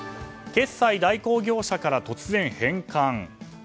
決済代行業者から突然、返還。